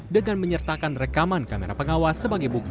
dengan menyertakan rekaman kamera pengawas sebagai bukti